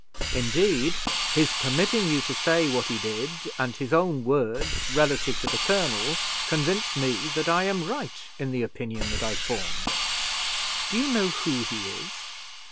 Indeed, his permitting you to say what he did, and his own words relative to the colonel, convince me that I am right in the opinion that I formed." "Do you know who he is?"